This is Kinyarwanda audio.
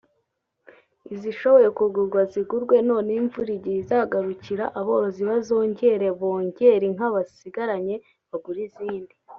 izishoboye kugurwa zigurwe noneho imvura igihe izagarukira aborozi bazongere bongere inka basigaranye bagure izindi